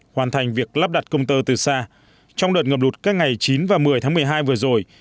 hoàn thành việc lắp đặt công tơ từ xa trong đợt ngập lụt các ngày chín và một mươi tháng một mươi hai vừa rồi